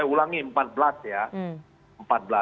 eh ulangi empat belas ya empat belas